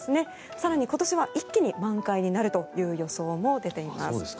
更に今年は一気に満開になるという予想も出ています。